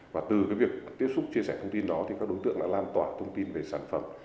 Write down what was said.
và từ việc tiếp xúc chia sẻ thông tin đó thì các đối tượng đã lan tỏa thông tin về sản phẩm